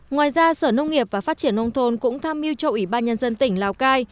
ngoài ra sở nông nghiệp và phát triển nông thôn cũng tham mưu cho ủy ban nhân dân tỉnh lào cai